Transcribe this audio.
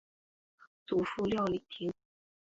祖父廖礼庭。